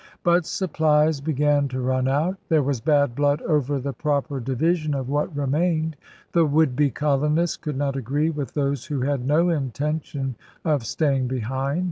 But sup plies began to run out. There was bad blood over the proper division of what remained. The would be colonists could not agree with those who had no intention of staying behind.